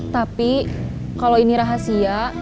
tapi kalau ini rahasia